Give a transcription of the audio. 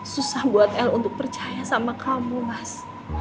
susah buat el untuk percaya sama kamu mas